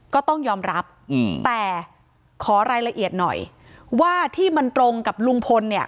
ก็ต้องยอมรับแต่ขอรายละเอียดหน่อยว่าที่มันตรงกับลุงพลเนี่ย